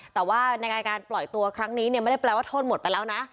แต่ว่าในการปล่อยตัวครั้งนี้เนี่ยไม่ได้แปลว่าโทษหมดไปแล้วนะ